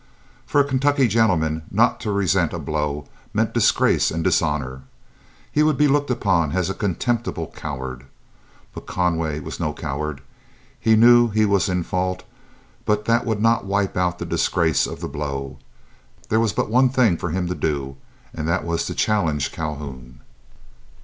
For a Kentucky gentleman not to resent a blow meant disgrace and dishonor; he would be looked upon as a contemptible coward. But Conway was no coward. He knew he was in fault, but that would not wipe out the disgrace of the blow. There was but one thing for him to do, and that was to challenge Calhoun.